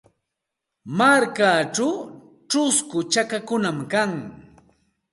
Markachaw chusku chakakunam kan.